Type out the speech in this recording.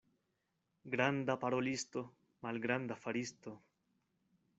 Granda parolisto, malgranda faristo.